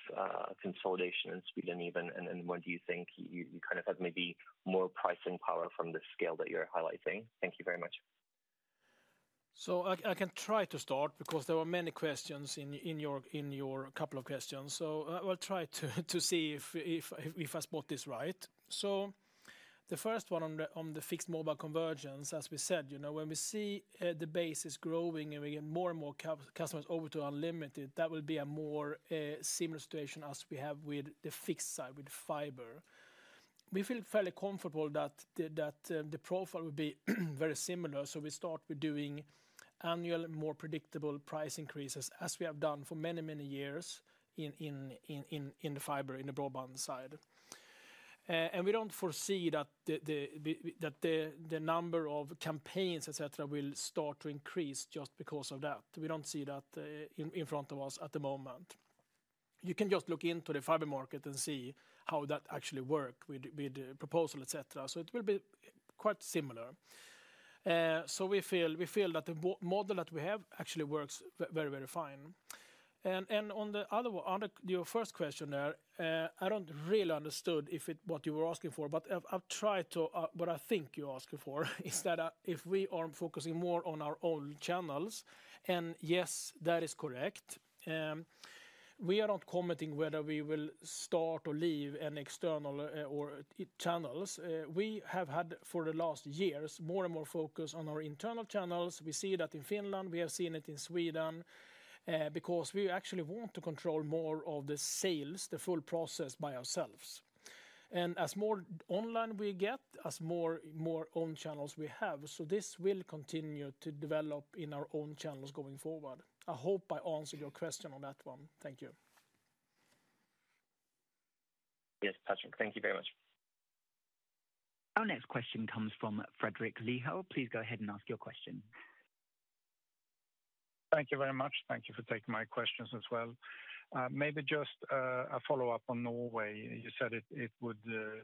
consolidation in Sweden even? What do you think you kind of have maybe more pricing power from the scale that you're highlighting? Thank you very much. I can try to start because there were many questions in your couple of questions. I'll try to see if I spot this right. The first one on the fixed mobile convergence, as we said, when we see the basis growing and we get more and more customers over to unlimited, that will be a more similar situation as we have with the fixed side, with fiber. We feel fairly comfortable that the profile would be very similar. We start with doing annual, more predictable price increases, as we have done for many, many years in the fiber, in the broadband side. We don't foresee that the number of campaigns, etc., will start to increase just because of that. We don't see that in front of us at the moment. You can just look into the fiber market and see how that actually works with the proposal, etc. It will be quite similar. We feel that the model that we have actually works very, very fine. On the other, your first question there, I don't really understood what you were asking for, but I've tried to what I think you're asking for, is that if we are focusing more on our own channels, and yes, that is correct. We are not commenting whether we will start or leave an external or channels. We have had, for the last years, more and more focus on our internal channels. We see that in Finland. We have seen it in Sweden. Because we actually want to control more of the sales, the full process by ourselves. As more online we get, as more own channels we have, so this will continue to develop in our own channels going forward. I hope I answered your question on that one. Thank you. Yes, Patrik. Thank you very much. Our next question comes from Fredrik Lithell. Please go ahead and ask your question. Thank you very much. Thank you for taking my questions as well. Maybe just a follow-up on Norway. You said it would,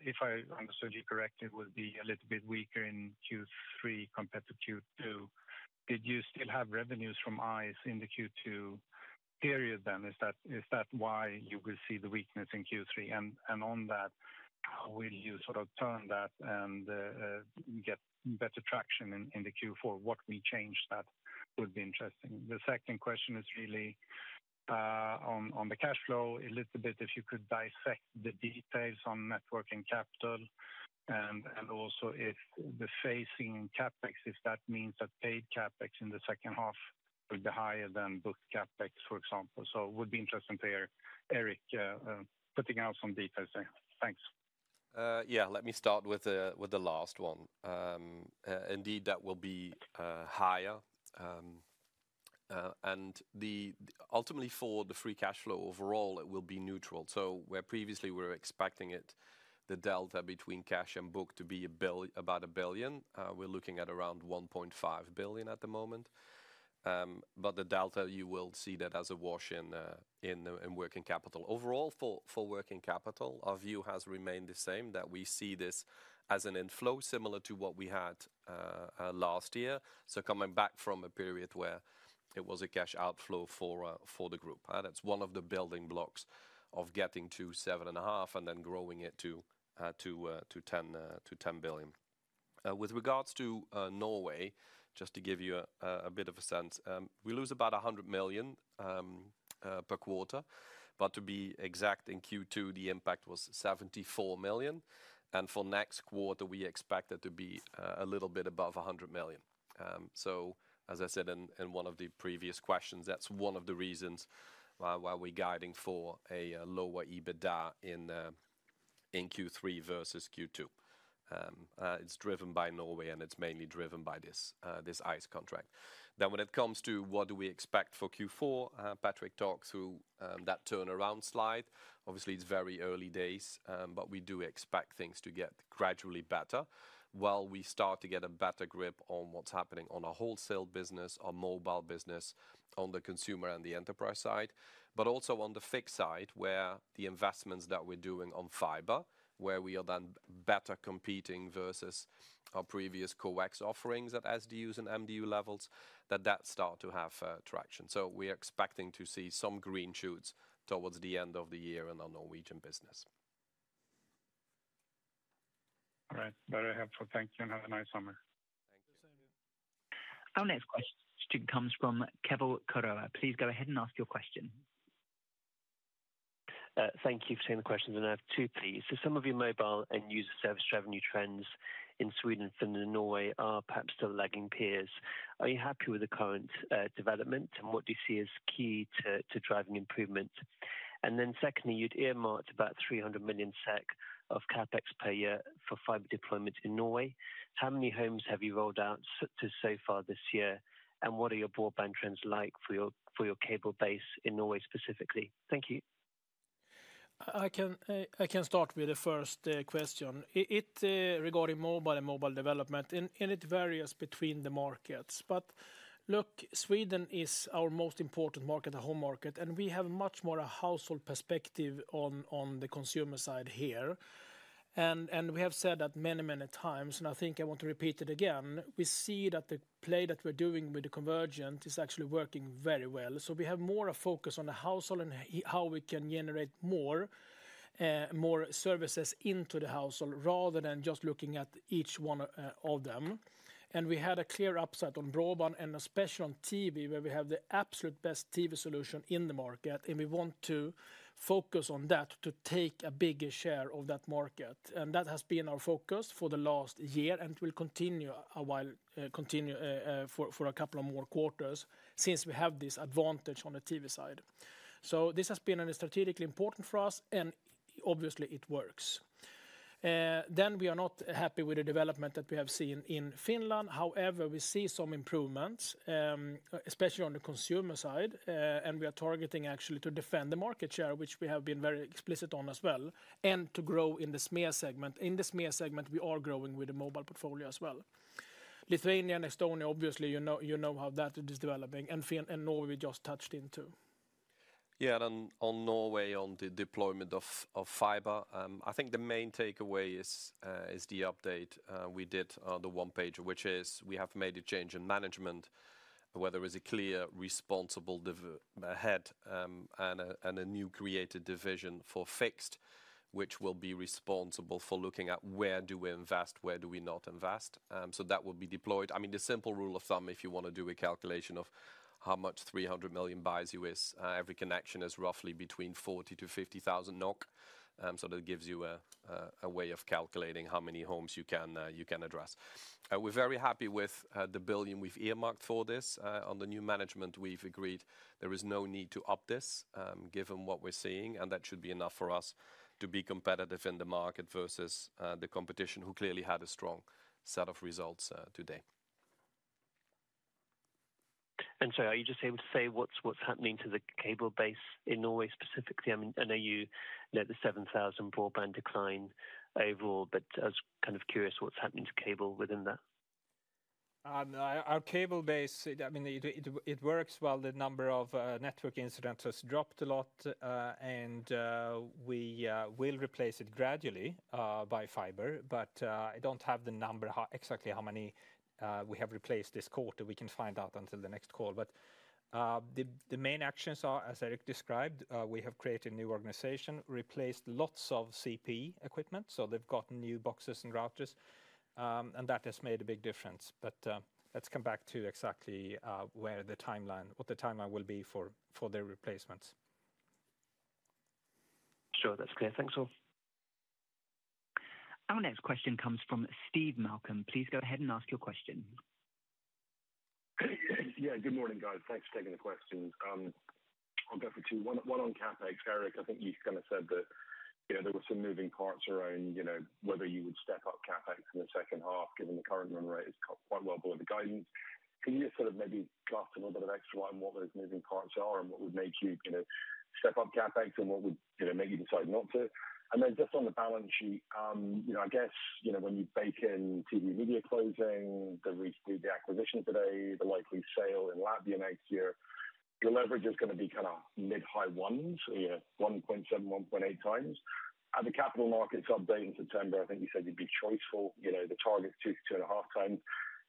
if I understood you correctly, it would be a little bit weaker in Q3 compared to Q2. Did you still have revenues from ICE in the Q2 period then? Is that why you will see the weakness in Q3? On that, will you sort of turn that and get better traction in the Q4? What we changed that would be interesting. The second question is really on the cash flow, a little bit if you could dissect the details on working capital. Also if the phasing in CapEx, if that means that paid CapEx in the second half would be higher than booked CapEx, for example. So it would be interesting to hear Eric putting out some details there. Thanks. Yeah, let me start with the last one. Indeed, that will be higher. Ultimately, for the free cash flow overall, it will be neutral. So where previously we were expecting it, the delta between cash and book to be about 1 billion, we're looking at around 1.5 billion at the moment. But the delta, you will see that as a wash in working capital. Overall, for working capital, our view has remained the same, that we see this as an inflow similar to what we had last year. So coming back from a period where it was a cash outflow for the group. That's one of the building blocks of getting to 7.5 and then growing it to 10 billion. With regards to Norway, just to give you a bit of a sense, we lose about 100 million per quarter. But to be exact, in Q2, the impact was 74 million. For next quarter, we expect it to be a little bit above 100 million. So, as I said in one of the previous questions, that's one of the reasons why we're guiding for a lower EBITDA in Q3 versus Q2. It's driven by Norway, and it's mainly driven by this ICE contract. Now, when it comes to what do we expect for Q4, Patrik talks through that turnaround slide. Obviously, it's very early days, but we do expect things to get gradually better while we start to get a better grip on what's happening on our wholesale business, our mobile business, on the consumer and the enterprise side, but also on the fixed side where the investments that we're doing on fiber, where we are then better competing versus our previous coax offerings at SDUs and MDU levels, that that start to have traction. So we're expecting to see some green shoots towards the end of the year in our Norwegian business. All right. Very helpful. Thank you and have a nice summer. Thank you. Our next question comes from Keval Khiroya. Please go ahead and ask your question. Thank you for taking the question. I have two, please. So some of your mobile end user service revenue trends in Sweden, Finland, and Norway are perhaps still lagging peers. Are you happy with the current development, and what do you see as key to driving improvement? Secondly, you'd earmarked about 300 million SEK of CapEx per year for fiber deployment in Norway. How many homes have you rolled out to so far this year, and what are your broadband trends like for your cable base in Norway specifically? Thank you. I can start with the first question. It's regarding mobile and mobile development, and it varies between the markets. But look, Sweden is our most important market, a home market, and we have much more of a household perspective on the consumer side here. We have said that many, many times, and I think I want to repeat it again. We see that the play that we're doing with the convergent is actually working very well. We have more of a focus on the household and how we can generate more services into the household rather than just looking at each one of them. We had a clear upside on broadband and especially on TV, where we have the absolute best TV solution in the market, and we want to focus on that to take a bigger share of that market. That has been our focus for the last year, and it will continue for a couple of more quarters since we have this advantage on the TV side. This has been strategically important for us, and obviously, it works. Then we are not happy with the development that we have seen in Finland. However, we see some improvements, especially on the consumer side, and we are targeting actually to defend the market share, which we have been very explicit on as well, and to grow in the SMEA segment. In the SMEA segment, we are growing with the mobile portfolio as well. Lithuania and Estonia, obviously, you know how that is developing, and Norway we just touched into. Yeah, and on Norway, on the deployment of fiber, I think the main takeaway is the update we did on the one pager, which is we have made a change in management. We have a clear, responsible head and a new created division for fixed, which will be responsible for looking at where do we invest, where do we not invest. That will be deployed. I mean, the simple rule of thumb, if you want to do a calculation of how much 300 million buys you is, every connection is roughly between 40,000 to 50,000 NOK. So that gives you a way of calculating how many homes you can address. We're very happy with the billion we've earmarked for this. On the new management, we've agreed there is no need to up this given what we're seeing, and that should be enough for us to be competitive in the market versus the competition who clearly had a strong set of results today. Are you just able to say what's happening to the cable base in Norway specifically? I mean, I know you note the 7,000 broadband decline overall, but I was kind of curious what's happening to cable within that. Our cable base, I mean, it works well. The number of network incidents has dropped a lot, and we will replace it gradually by fiber, but I don't have the number exactly how many we have replaced this quarter. We can find out until the next call. The main actions are, as Eric described, we have created a new organization, replaced lots of CPE equipment, so they've got new boxes and routers. That has made a big difference. Let's come back to exactly what the timeline will be for their replacements. Sure, that's clear. Thanks. Our next question comes from Steve Malcolm. Please go ahead and ask your question. Yeah, good morning, guys. Thanks for taking the questions. I'll go for two. One on CapEx. Eric, I think you kind of said that there were some moving parts around whether you would step up CapEx in the second half, given the current run rate is quite well below the guidance. Can you just sort of maybe cast a little bit of extra light on what those moving parts are and what would make you step up CapEx and what would make you decide not to? Then just on the balance sheet, I guess when you bake in TV and media closing, the recent media acquisition today, the likely sale in Latvia next year, your leverage is going to be kind of mid-high ones, 1.7x, 1.8x. At the capital markets update in September, I think you said you'd be choiceful. The target's 2x to 2.5x.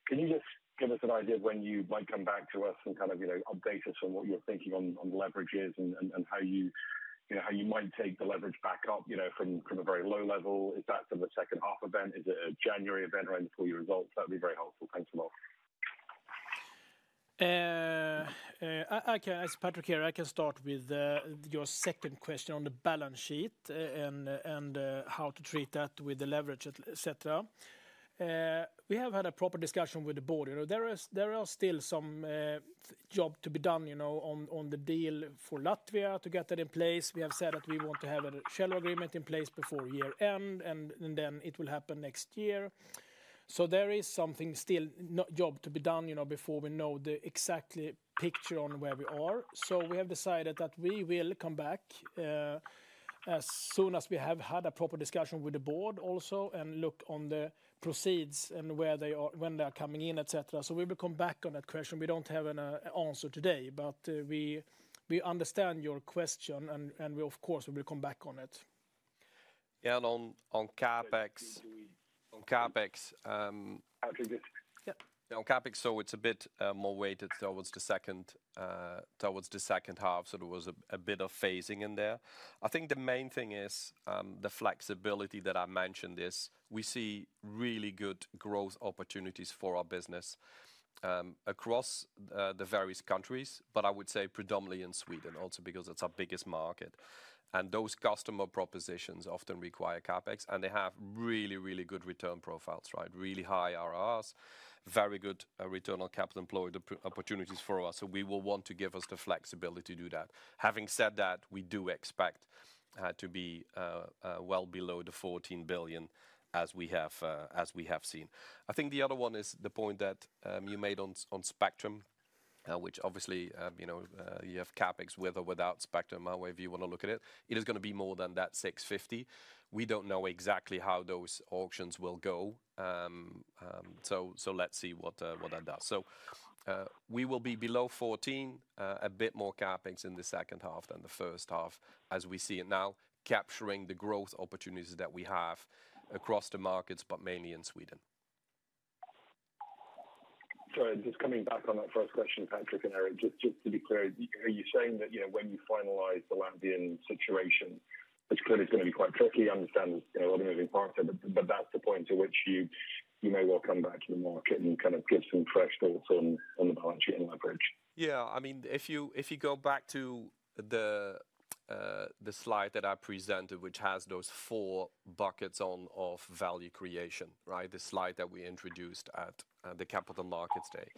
Can you just give us an idea of when you might come back to us and kind of update us on what you're thinking on leverages and how you might take the leverage back up from a very low level? Is that for the second half event? Is it a January event around the full year results? That would be very helpful. Thanks a lot. Patrik here, I can start with your second question on the balance sheet and how to treat that with the leverage, etc. We have had a proper discussion with the board. There are still some jobs to be done on the deal for Latvia to get that in place. We have said that we want to have a shallow agreement in place before year-end, and then it will happen next year. So there is something still job to be done before we know the exact picture on where we are. So we have decided that we will come back. As soon as we have had a proper discussion with the board also and look on the proceeds and when they are coming in, etc. So we will come back on that question. We don't have an answer today, but we understand your question, and of course, we will come back on it. Yeah, on CapEx. Patrik, yeah. On CapEx, so it's a bit more weighted towards the second half, so there was a bit of phasing in there. I think the main thing is the flexibility that I mentioned is. We see really good growth opportunities for our business across the various countries, but I would say predominantly in Sweden also because it's our biggest market. And those customer propositions often require CapEx, and they have really, really good return profiles, right? Really high IRRs, very good return on capital employed opportunities for us. So we will want to give us the flexibility to do that. Having said that, we do expect to be well below the 14 billion as we have seen. I think the other one is the point that you made on spectrum, which obviously. You have CapEx with or without spectrum, however you want to look at it. It is going to be more than that 650 million. We don't know exactly how those auctions will go. So let's see what that does. So we will be below 14 billion, a bit more CapEx in the second half than the first half as we see it now, capturing the growth opportunities that we have across the markets, but mainly in Sweden. Sorry, just coming back on that first question, Patrik and Eric, just to be clear, are you saying that when you finalize the Latvian situation, it's clearly going to be quite tricky? I understand there'll be moving parts, but that's the point to which you may well come back to the market and kind of give some fresh thoughts on the balance sheet and leverage. Yeah, I mean, if you go back to the slide that I presented, which has those four buckets of value creation, right? The slide that we introduced at the Capital Markets Day,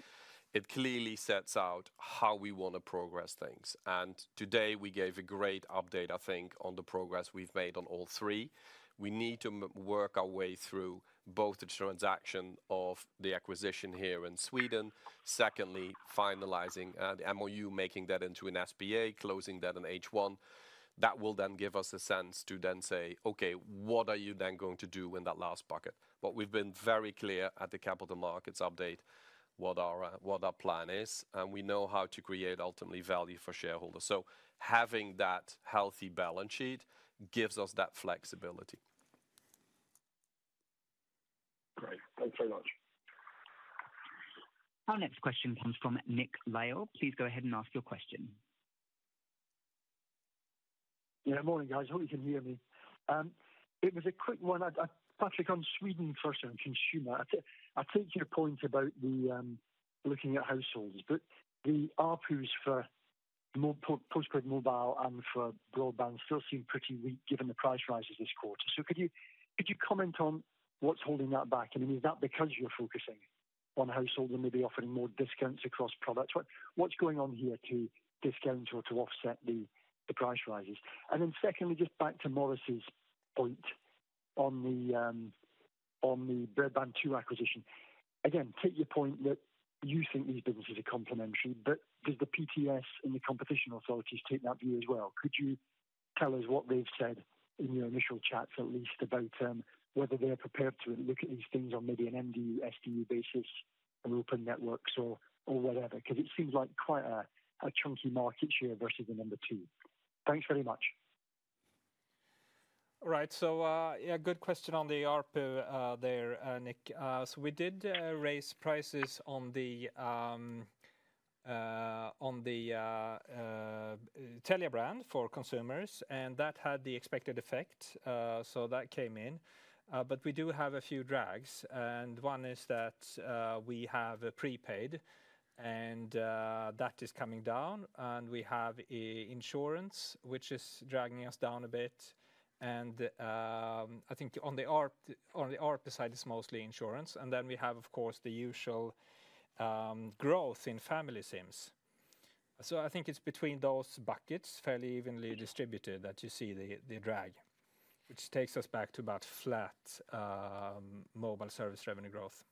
it clearly sets out how we want to progress things. And today we gave a great update, I think, on the progress we've made on all three. We need to work our way through both the transaction of the acquisition here in Sweden. Secondly, finalizing the MOU, making that into an SBA, closing that in H1. That will then give us a sense to then say, okay, what are you then going to do in that last bucket? We've been very clear at the Capital Markets Update what our plan is, and we know how to create ultimately value for shareholders. So having that healthy balance sheet gives us that flexibility. Thanks very much. Our next question comes from Nick Lyall. Please go ahead and ask your question. Yeah, morning, guys. Hope you can hear me. It was a quick one. Patrik, on Sweden first, on consumer, I take your point about looking at households, but the ARPUs for post-paid mobile and for broadband still seem pretty weak given the price rises this quarter. So could you comment on what's holding that back? I mean, is that because you're focusing on households and maybe offering more discounts across products? What's going on here to discount or to offset the price rises? And then secondly, just back to Morris's point on the Bredband2 acquisition. Again, take your point that you think these businesses are complementary, but does the PTS and the competition authorities take that view as well? Could you tell us what they've said in your initial chats, at least about whether they're prepared to look at these things on maybe an MDU, SDU basis, and open networks or whatever? Because it seems like quite a chunky market share versus the number two. Thanks very much. All right. So yeah, good question on the ARPU there, Nick. So we did raise prices on the Telia brand for consumers, and that had the expected effect. So that came in. We do have a few drags. And one is that we have a prepaid, and that is coming down. And we have insurance, which is dragging us down a bit. And I think on the ARPU side, it's mostly insurance. And then we have, of course, the usual growth in family SIMs. So I think it's between those buckets, fairly evenly distributed, that you see the drag, which takes us back to about flat mobile service revenue growth.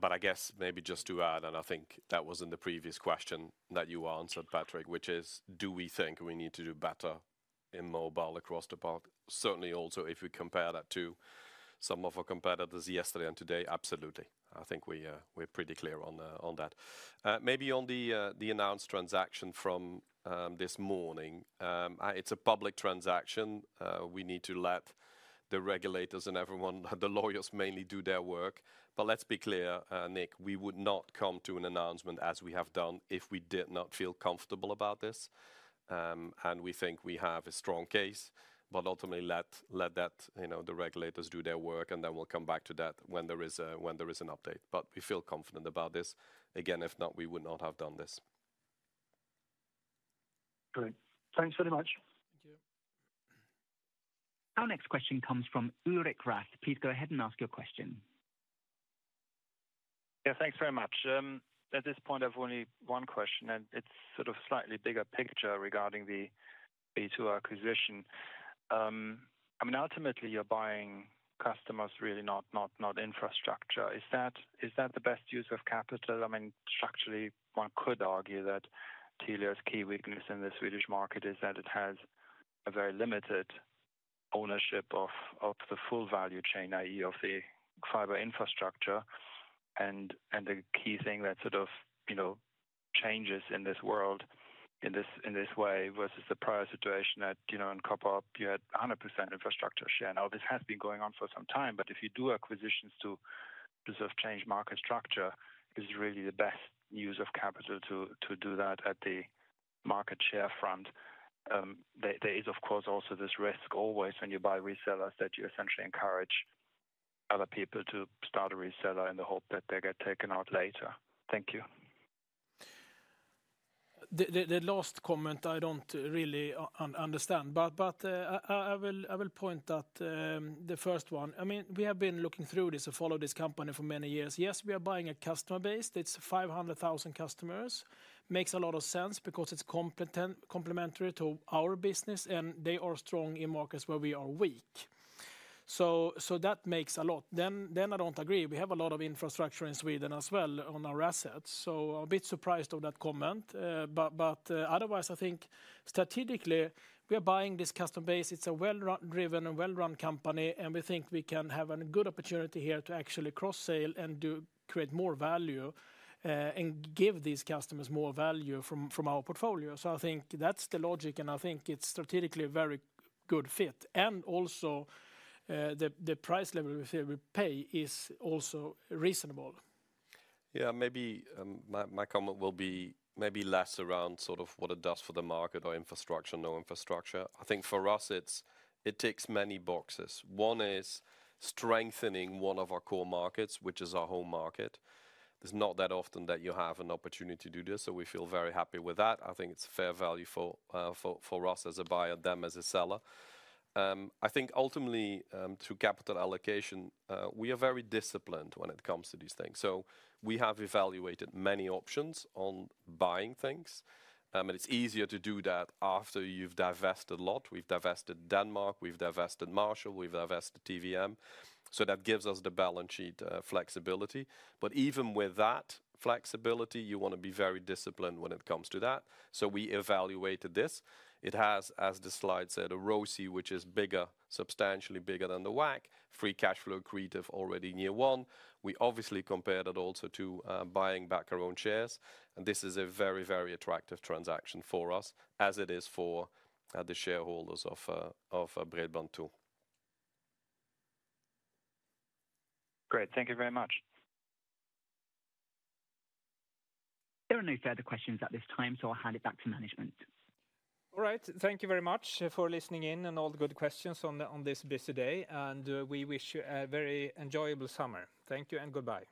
I guess maybe just to add, and I think that was in the previous question that you answered, Patrik, which is, do we think we need to do better in mobile across the park? Certainly also, if we compare that to some of our competitors yesterday and today, absolutely. I think we're pretty clear on that. Maybe on the announced transaction from this morning, it's a public transaction. We need to let the regulators and everyone, the lawyers mainly do their work. Let's be clear, Nick, we would not come to an announcement as we have done if we did not feel comfortable about this. And we think we have a strong case, but ultimately let the regulators do their work, and then we'll come back to that when there is an update. We feel confident about this. Again, if not, we would not have done this. Great. Thanks very much. Thank you. Our next question comes from Ulrich Rathe. Please go ahead and ask your question. Yeah, thanks very much. At this point, I've only one question, and it's sort of a slightly bigger picture regarding the Two acquisition. I mean, ultimately, you're buying customers, really not infrastructure. Is that the best use of capital? I mean, structurally, one could argue that Telia's key weakness in the Swedish market is that it has a very limited ownership of the full value chain, i.e., of the fiber infrastructure. And the key thing that sort of changes in this world in this way versus the prior situation that in Copper Op, you had 100% infrastructure share. Now, this has been going on for some time, but if you do acquisitions to sort of change market structure, it's really the best use of capital to do that at the market share front. There is, of course, also this risk always when you buy resellers that you essentially encourage other people to start a reseller in the hope that they get taken out later. Thank you. The last comment, I don't really understand, but I will point at the first one. I mean, we have been looking through this and follow this company for many years. Yes, we are buying a customer base. It's 500,000 customers. Makes a lot of sense because it's complementary to our business, and they are strong in markets where we are weak. So that makes a lot. Then I don't agree. We have a lot of infrastructure in Sweden as well on our assets. I'm a bit surprised of that comment. Otherwise, I think strategically, we are buying this customer base. It's a well-driven and well-run company, and we think we can have a good opportunity here to actually cross-sale and create more value. And give these customers more value from our portfolio. I think that's the logic, and I think it's strategically a very good fit. Also, the price level we pay is also reasonable. Yeah, maybe my comment will be maybe less around sort of what it does for the market or infrastructure, no infrastructure. I think for us, it takes many boxes. One is strengthening one of our core markets, which is our home market. It's not that often that you have an opportunity to do this, so we feel very happy with that. I think it's fair value for us as a buyer, them as a seller. I think ultimately, to capital allocation, we are very disciplined when it comes to these things. We have evaluated many options on buying things, and it's easier to do that after you've divested a lot. We've divested Denmark, we've divested Marshall, we've divested TVM. That gives us the balance sheet flexibility. Even with that flexibility, you want to be very disciplined when it comes to that. We evaluated this. It has, as the slide said, a RoCE, which is bigger, substantially bigger than the WACC, free cash flow creative already near one. We obviously compared it also to buying back our own shares. This is a very, very attractive transaction for us, as it is for the shareholders of Bredband2. Great. Thank you very much. There are no further questions at this time, so I'll hand it back to management. All right. Thank you very much for listening in and all the good questions on this busy day. We wish you a very enjoyable summer. Thank you and goodbye.